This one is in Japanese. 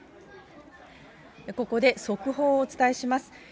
ここで速報をお伝えします。